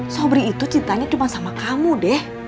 sobri itu cintanya cuma sama kamu deh